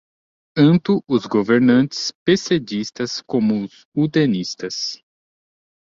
anto os governantes pessedistas como os udenistas